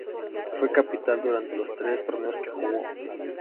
Fue capitán durante los tres torneos que jugó.